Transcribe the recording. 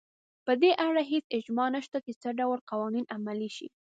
په دې اړه هېڅ اجماع نشته چې څه ډول قوانین عملي شي.